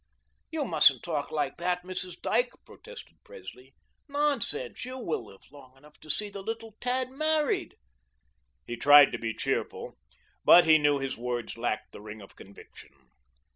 "You mustn't talk like that, Mrs. Dyke," protested Presley, "nonsense; you will live long enough to see the little tad married." He tried to be cheerful. But he knew his words lacked the ring of conviction.